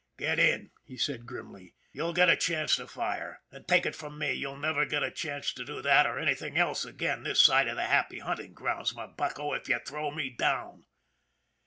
" Get in," he said grimly. " You'll get a chance to fire, and, take it from me, you'll never get a chance to do that or anything else again this side of the happy hunting grounds, my bucko, if you throw me down."